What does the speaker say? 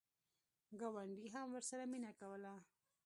ګاونډي هم ورسره مینه کوله.